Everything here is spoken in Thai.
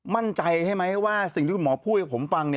มั่นใจใช่ไหมว่าสิ่งที่คุณหมอพูดให้ผมฟัง